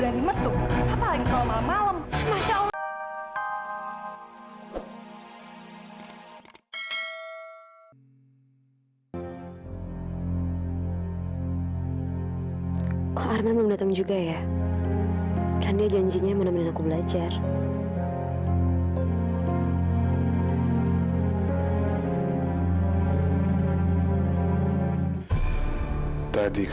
tapi sebaiknya aku jangan terlalu senang